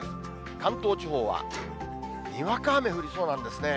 関東地方は、にわか雨降りそうなんですね。